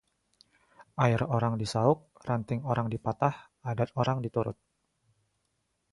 Air orang disauk, ranting orang dipatah, adat orang diturut